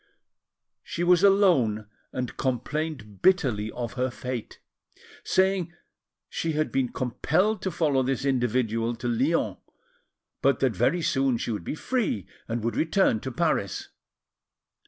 She was alone, and complained bitterly of her fate, saying she had been compelled to follow this individual to Lyons, but that very soon she would be free and would return to Paris.